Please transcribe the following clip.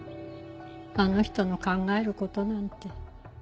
あの人の考える事なんて。